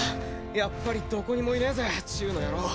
やっぱりどこにもいねえぜチウの野郎。